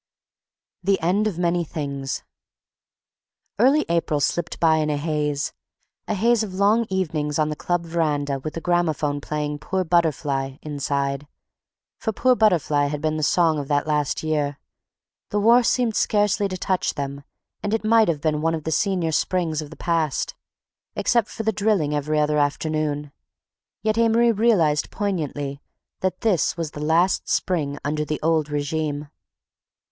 THE END OF MANY THINGS Early April slipped by in a haze—a haze of long evenings on the club veranda with the graphophone playing "Poor Butterfly" inside... for "Poor Butterfly" had been the song of that last year. The war seemed scarcely to touch them and it might have been one of the senior springs of the past, except for the drilling every other afternoon, yet Amory realized poignantly that this was the last spring under the old regime.